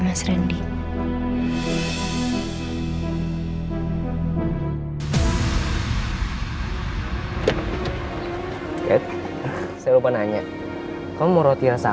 abrion negara negara negara